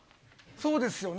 そうですよね。